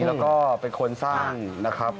แล้วก็เป็นคนสร้างนะครับ